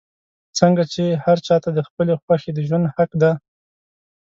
څنګ چې هر چا ته د خپلې خوښې د ژوند حق دے